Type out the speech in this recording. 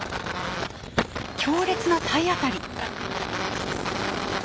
強烈な体当たり。